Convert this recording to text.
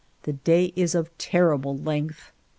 The day is of terrible length